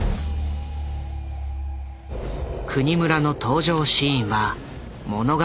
國村の登場シーンは物語